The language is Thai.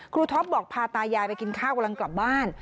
ท็อปบอกพาตายายไปกินข้าวกำลังกลับบ้าน